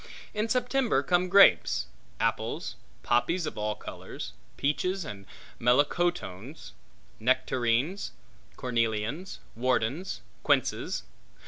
In September come grapes; apples; poppies of all colors; peaches; melocotones; nectarines; cornelians; wardens; quinces.